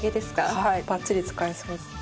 はいばっちり使えそうです。